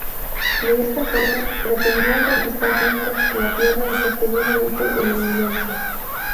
De esta forma, pretendían conquistar juntos la tierra y posteriormente el universo.